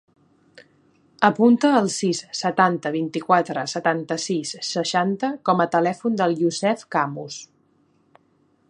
Apunta el sis, setanta, vint-i-quatre, setanta-sis, seixanta com a telèfon del Yousef Camus.